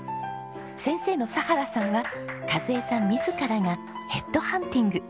先生の佐原さんは和枝さん自らがヘッドハンティング。